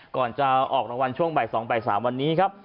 ก่อนจะออกรางวัลช่วงใบ๒ใบ๓วันนี้ครับ